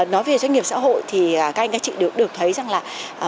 nói về doanh nghiệp xã hội thì các anh các chị đều được thấy rằng là